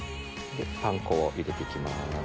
パン粉を入れて行きます。